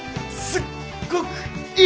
すっごくいい！